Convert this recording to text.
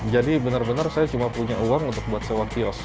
jadi benar benar saya cuma punya uang untuk buat sewa kiosk